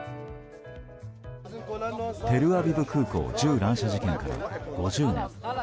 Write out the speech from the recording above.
テルアビブ空港銃乱射事件から５０年。